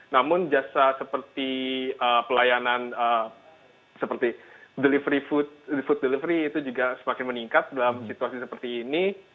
namun jasa seperti pelayanan seperti food delivery itu juga semakin meningkat dalam situasi seperti ini